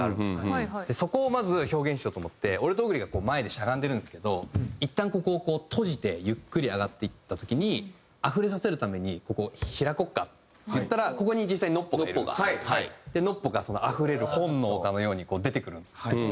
そこをまず表現しようと思って俺とＯｇｕｒｉが前でしゃがんでるんですけどいったんここをこう閉じてゆっくり上がっていった時に溢れさせるためにここを開こうかって言ったらここに実際にＮＯＰＰＯがいるんですけどＮＯＰＰＯが溢れる本能かのように出てくるんですよね。